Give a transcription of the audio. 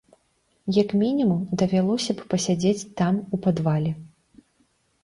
Як мінімум, давялося б пасядзець там у падвале.